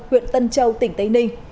huyện tân châu tỉnh tây ninh